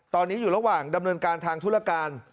ตอนนี้อยู่ระหว่างดำเนินการทางธุรการ